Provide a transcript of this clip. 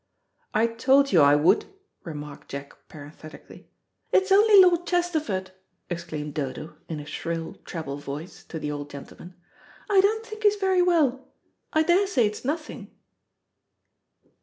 "I told you I would," remarked Jack parenthetically, "It's only Lord Chesterford," exclaimed Dodo, in a shrill, treble voice, to the old gentleman. "I don't think he's very well. I daresay it's nothing."